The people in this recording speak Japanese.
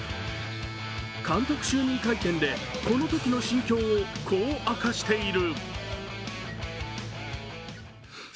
監督就任会見でこのときの心境をこう明かしている。